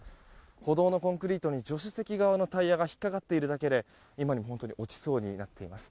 歩道のコンクリートに助手席側のタイヤが引っかかっているだけで今にも落ちそうになっています。